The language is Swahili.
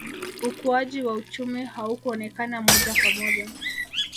ukuaji wa uchumi haukuonekana moja kwa moja